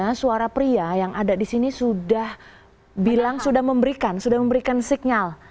karena suara pria yang ada disini sudah bilang sudah memberikan sudah memberikan signal